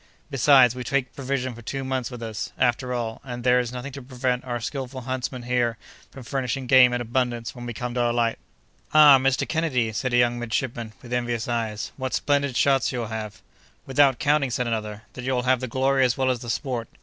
Besides, we take provision for two months with us, after all; and there is nothing to prevent our skilful huntsman here from furnishing game in abundance when we come to alight." "Ah! Mr. Kennedy," said a young midshipman, with envious eyes, "what splendid shots you'll have!" "Without counting," said another, "that you'll have the glory as well as the sport!"